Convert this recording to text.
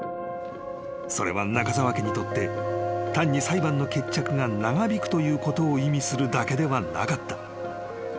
［それは仲澤家にとって単に裁判の決着が長引くということを意味するだけではなかった］